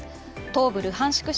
東部ルハンシク